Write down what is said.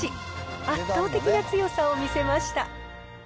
圧倒的な強さを見せました。